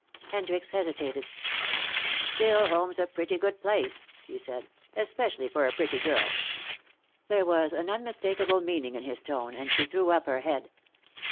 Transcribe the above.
Hendricks hesitated. "Still, home's a pretty good place," he said. "Especially for a pretty girl." There was unmistakable meaning in his tone, and she threw up her head.